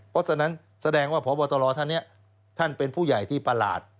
เพราะฉะนั้นแสดงว่าพบตรท่านนี้ท่านเป็นผู้ใหญ่ที่ประหลาด